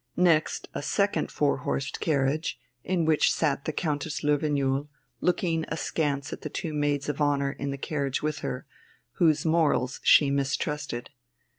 Next a second four horsed carriage, in which sat the Countess Löwenjoul, looking askance at the two maids of honour in the carriage with her, whose morals she mistrusted.